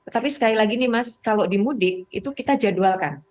tapi sekali lagi nih mas kalau di mudik itu kita jadwalkan